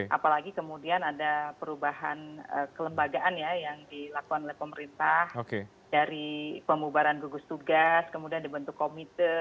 apalagi kemudian ada perubahan kelembagaan ya yang dilakukan oleh pemerintah dari pemubaran gugus tugas kemudian dibentuk komite